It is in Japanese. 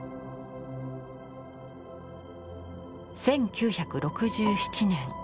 １９６７年。